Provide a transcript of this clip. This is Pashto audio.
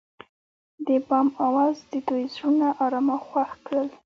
د بام اواز د دوی زړونه ارامه او خوښ کړل.